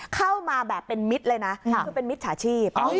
เข้ามาแบบเป็นมิตรเลยนะคือเป็นมิจฉาชีพ